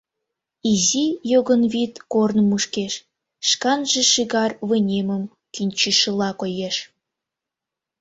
Изи йогынвӱд корным мушкеш, шканже шӱгар вынемым кӱнчышыла коеш.